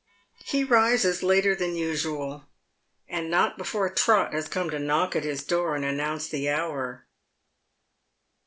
He rises later than usual, and not before Trot has come to knock at his door and announce the hour.